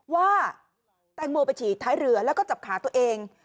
ว่าแตงโมไปฉีดท้ายเรือแล้วก็จับขาตัวเอง